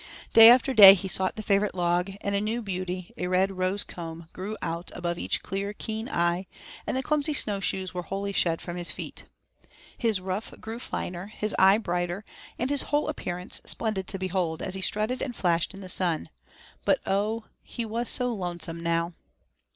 Day after day he sought the favorite log, and a new beauty, a rose red comb, grew out above each clear, keen eye, and the clumsy snowshoes were wholly shed from his feet. His ruff grew finer, his eye brighter, and his whole appearance splendid to behold, as he strutted and flashed in the sun. But oh! he was so lonesome now.